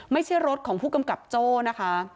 ไม่ใช่รถของผู้กำกับโจ้นะคะ